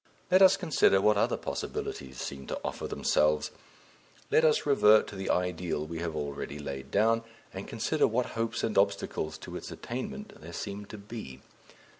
Let us consider what other possibilities seem to offer themselves. Let us revert to the ideal we have already laid down, and consider what hopes and obstacles to its attainment there seem to be.